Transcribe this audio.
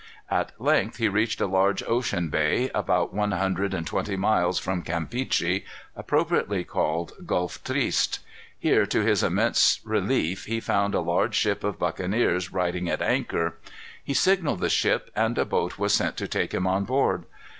At length he reached a large ocean bay, about one hundred and twenty miles from Campeachy, appropriately called Gulf Triste. Here, to his immense relief, he found a large ship of buccaneers riding at anchor. He signalled the ship, and a boat was sent to take him on board.